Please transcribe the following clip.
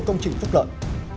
công trình phúc lợi